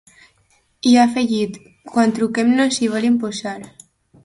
I ha afegit: ‘Quan truquem no s’hi volen posar’.